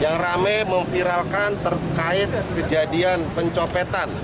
nilai tas maupun dompet